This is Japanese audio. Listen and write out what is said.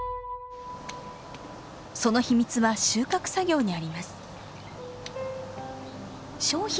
その秘密は収穫作業にあります。